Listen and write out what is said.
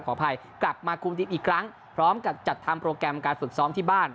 ขออภัยกลับมาคุมทีมอีกครั้งพร้อมกับจัดทำโปรแกรมการฝึกซ้อมที่บ้าน